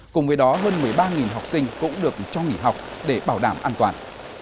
cùng với đó hơn một mươi ba học sinh cũng được cho nghỉ học để bảo đảm an toàn